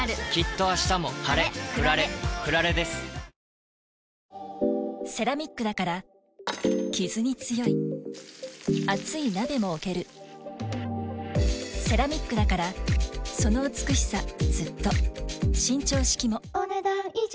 さらに辛いけどうまいセラミックだからキズに強い熱い鍋も置けるセラミックだからその美しさずっと伸長式もお、ねだん以上。